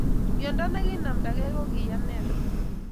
Myondo nekinamdakee kokiyaa nea